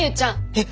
えっ！